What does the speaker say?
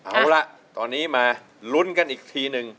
เอาล่ะตอนนี้มาลุ้นกันอีกทีหนึ่ง